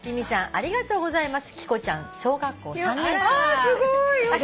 ありがとうございます。